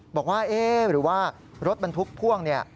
บอกว่าเอ๊ะหรือว่ารถบรรทุกพ่วงเนี่ย